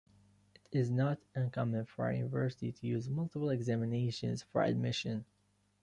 It is not uncommon for a university to use multiple examinations for admission.